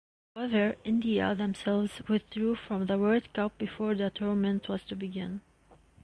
However, India themselves withdrew from the World Cup before the tournament was to begin.